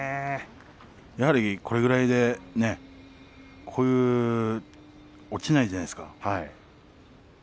やはり、これぐらいで落ちないじゃないですか。